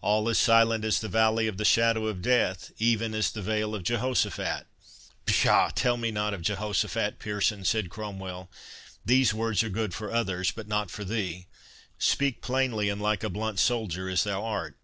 "All as silent as the valley of the shadow of death—Even as the vale of Jehosaphat." "Pshaw! tell me not of Jehosaphat, Pearson," said Cromwell. "These words are good for others, but not for thee. Speak plainly, and like a blunt soldier as thou art.